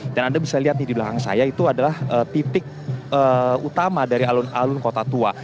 dan anda bisa lihat di belakang saya itu adalah titik utama dari alun alun kota tua